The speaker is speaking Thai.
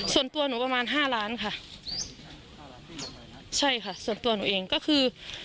ส่วนตัวหนูประมาณ๕ล้านค่ะส่วนตัวหนูเองก็คือ